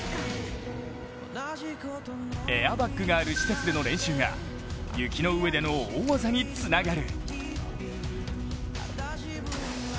エアバッグがある施設での練習が雪の上での大技につながる。